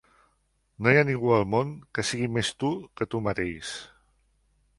No hi ha ningú en el món que sigui més tu que tu mateix.